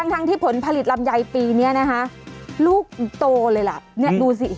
ทั้งที่ผลผลิตลำไยปีนี้นะคะลูกโตเลยล่ะเนี่ยดูสิ